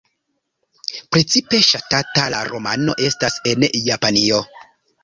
Precipe ŝatata la romano estas en Japanio.